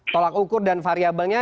tolak ukur dan variabelnya